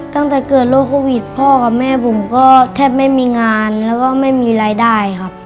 ตั้งแต่เกิดโรคโควิดพ่อกับแม่ผมก็แทบไม่มีงานแล้วก็ไม่มีรายได้ครับ